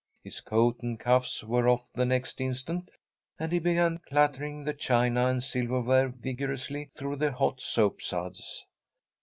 His coat and cuffs were off the next instant, and he began clattering the china and silverware vigorously through the hot soap suds.